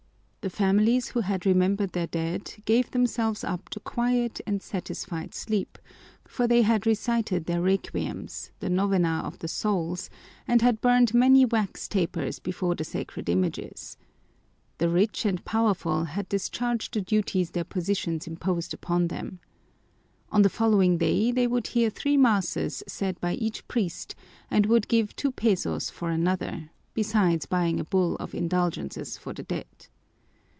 The families who had remembered their dead gave themselves up to quiet and satisfied sleep, for they had recited their requiems, the novena of the souls, and had burned many wax tapers before the sacred images. The rich and powerful had discharged the duties their positions imposed upon them. On the following day they would hear three masses said by each priest and would give two pesos for another, besides buying a bull of indulgences for the dead.